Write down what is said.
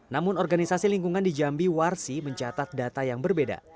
namun organisasi lingkungan di jambi warsi mencatat data yang berbeda